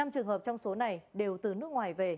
năm trường hợp trong số này đều từ nước ngoài về